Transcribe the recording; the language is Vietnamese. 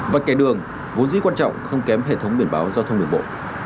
vạch cả đường vốn dĩ quan trọng không kém hệ thống biển báo giao thông nguyên bộ